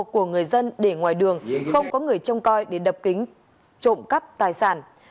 của người dân để ngoài đường không có người trông coi để đập kính trộm cắp tài sản